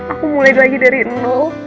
aku mulai lagi dari nol